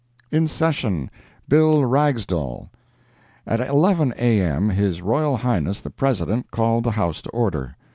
IN SESSION—BILL RAGSDALE At 11 A.M. His Royal Highness the President called the House to order.